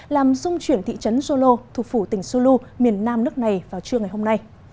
làm dung chuyển thị trấn yolo thủ phủ tỉnh sulu miền nam nước này vào trưa ngày hôm nay